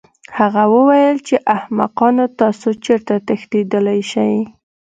هغه وویل چې احمقانو تاسو چېرته تښتېدلی شئ